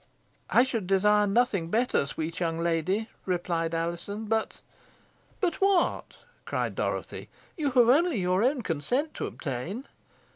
"I should desire nothing better, sweet young lady," replied Alizon; "but " "But what?" cried Dorothy. "You have only your own consent to obtain."